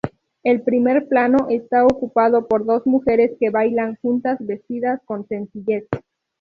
El primer plano está ocupado por dos mujeres que bailan juntas, vestidas con sencillez.